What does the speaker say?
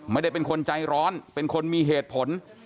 ไม่ได้เป็นคนใจร้อนเป็นคนมีเหตุผล